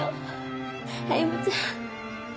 歩ちゃん。